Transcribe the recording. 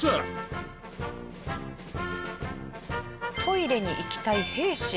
トイレに行きたい兵士。